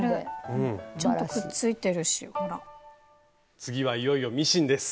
次はいよいよミシンです。